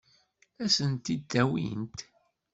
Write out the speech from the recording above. Ad sen-t-id-awint?